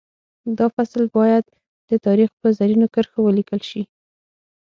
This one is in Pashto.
دا فصل باید د تاریخ په زرینو کرښو ولیکل شي